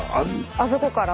あそこから。